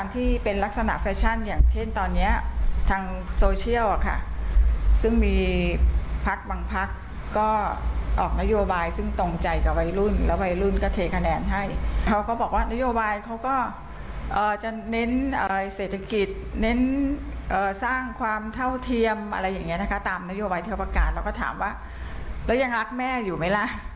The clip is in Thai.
ทำนโยบายแทรวปการก็ถามว่าแล้วยังรักแม่อยู่ไหมล่ะ